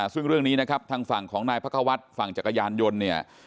ซึ่งเรื่องนี้นะครับทางฝั่งของนายพระควัฒน์ฝั่งจักรยานยนต์เนี่ย